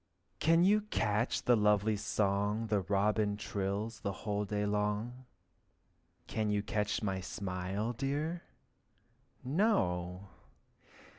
Can you catch the lovely song Robin trills the whole day long? Can you catch my smile, dear? No!